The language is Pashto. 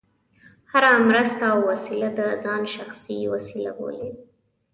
هره مرسته او وسیله د ځان شخصي وسیله بولي.